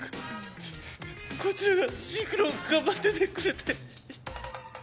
こいつらがシンクロを頑張っててくれて。